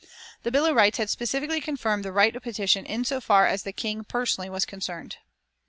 The Bill of Rights had specially confirmed the right of petition in so far as the King personally was concerned.